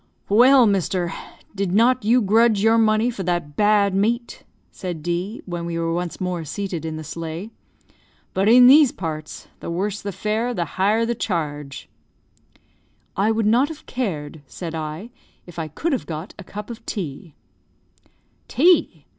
"Well, mister; did not you grudge your money for that bad meat?" said D , when we were once more seated in the sleigh. "But in these parts, the worse the fare the higher the charge." "I would not have cared," said I, "if I could have got a cup of tea." "Tea!